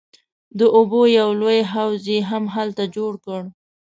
د اوبو یو لوی حوض یې هم هلته جوړ کړ.